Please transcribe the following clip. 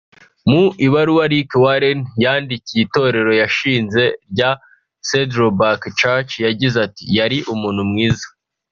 Mu ibaruwa Rick Warren yandikiye itorero yashinze rya “Saddleback Church” yagize ati “Yari umuntu mwiza